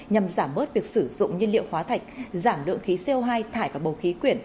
nhằm giảm bớt việc sử dụng nhiên liệu hóa thạch giảm lượng khí co hai thải vào bầu khí quyển